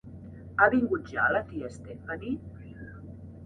Ha vingut ja la tia Stephanie?